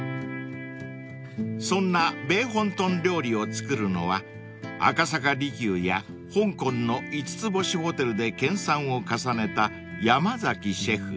［そんな避風塘料理を作るのは赤坂璃宮や香港の５つ星ホテルで研さんを重ねた山崎シェフ］